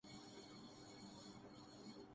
you Yo Honey Singh کے گانے کی شاعری بیہودہ قرار